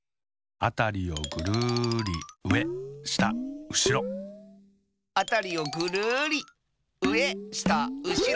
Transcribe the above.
「あたりをぐるりうえしたうしろ」「あたりをぐるりうえしたうしろ」